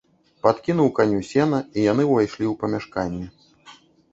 Падкінуў каню сена, і яны ўвайшлі ў памяшканне.